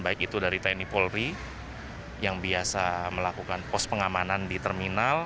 laini polri yang biasa melakukan pos pengamanan di terminal